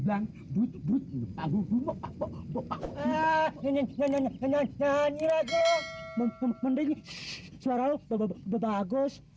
bang ayo pinjam sepedanya dong